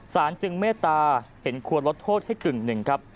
สารจึงเมตตาเห็นควรลดโทษให้กึ่ง๑ครับ